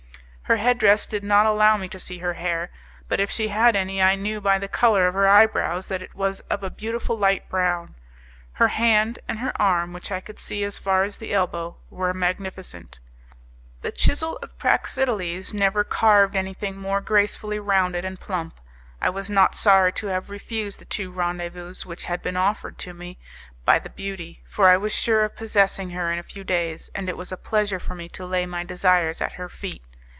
Her head dress did not allow me to see her hair, but if she had any I knew by the colour of her eyebrows that it was of a beautiful light brown. Her hand and her arm, which I could see as far as the elbow, were magnificent; the chisel of Praxiteles never carved anything more grace fully rounded and plump, I was not sorry to have refused the two rendezvous which had been offered to me by the beauty, for I was sure of possessing her in a few days, and it was a pleasure for me to lay my desires at her feet.